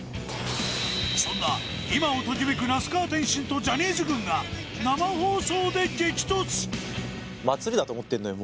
そんな今をときめる那須川天心とジャニーズ軍が生放送で激突。